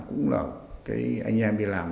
cũng là cái anh em đi làm